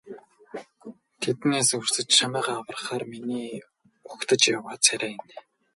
Тэднээс өрсөж чамайгаа аврахаар миний угтаж яваа царай энэ.